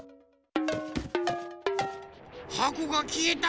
はこがきえた！